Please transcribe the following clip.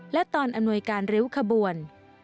และตอนอำนวยการริ้วขบวน